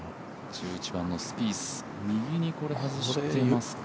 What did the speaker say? １１番のスピース、右に外していますか。